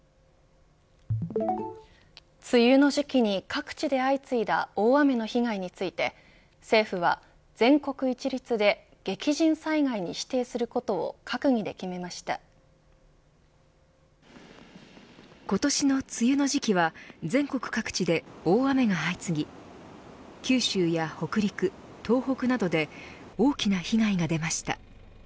梅雨の時期に各地で相次いだ大雨の被害について政府は、全国一律で激甚災害に指定することを今年の梅雨の時期は全国各地で大雨が相次ぎ九州や北陸、東北などで大きな被害が出ました。